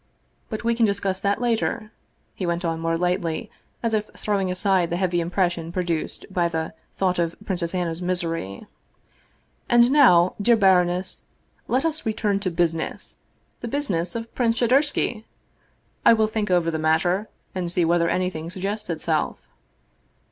But we can discuss that later," he went on more lightly, as if throwing aside the heavy impression produced by the thought of Princess Anna's misery. " And now, dear bar oness, let us return to business, the business of Prince Shadursky! I will think the matter over, and see whether anything suggests itself."